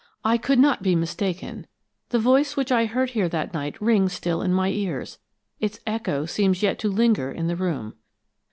I could not be mistaken; the voice which I heard here that night rings still in my ears; its echo seems yet to linger in the room."